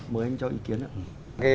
mời anh cho ý kiến ạ